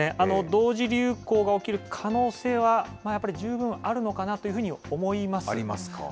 同時流行が起きる可能性はやっぱり十分あるのかなというふうに思います。